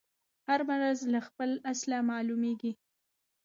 هر مضر له خپله اصله معلومیږي